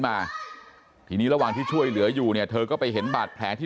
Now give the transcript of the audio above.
มาทีนี้ระหว่างที่ช่วยเหลืออยู่เนี่ยเธอก็ไปเห็นบาดแผลที่